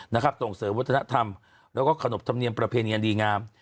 ส่งเสริมวัฒนธรรมแล้วก็ขนบธรรมเนียมประเพณีอันดีงาม